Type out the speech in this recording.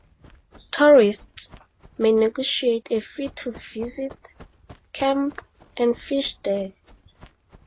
Tourists may negotiate a fee to visit, camp, and fish there.